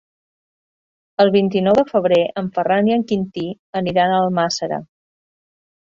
El vint-i-nou de febrer en Ferran i en Quintí aniran a Almàssera.